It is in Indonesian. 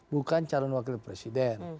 bukan calon wakil presiden